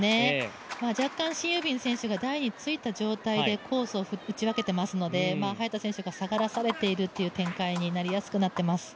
若干、シン・ユビン選手が台についた状態でコースを打ち分けていますので早田選手が下がらされているという展開になりやすくなっています。